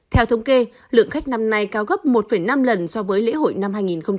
theo thống kê lượng khách năm nay cao gấp một năm lần so với lễ hội năm hai nghìn một mươi tám